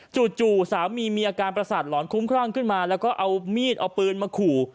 จู่สามีมีอาการประสาทหลอนคุ้มครั่งขึ้นมาแล้วก็เอามีดเอาปืนมาขู่